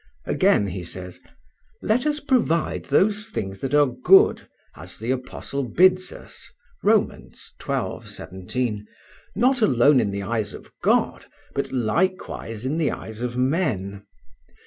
Again he says: "Let us provide those things that are good, as the apostle bids us (Rom. xii, 17), not alone in the eyes of God, but likewise in the eyes of men.